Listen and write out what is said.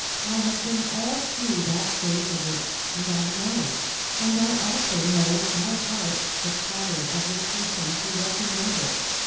I have been all through that phase of it, and I know; and I also know by heart the patter of the persons who recommend it.